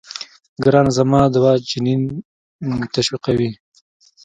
ګرانه زما دوا جنين تشويقوي.